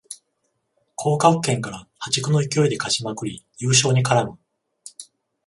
降格圏から破竹の勢いで勝ちまくり優勝に絡む